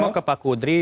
saya mau ke pak kudri